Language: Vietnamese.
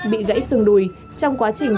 bị gãy sừng đùi trong quá trình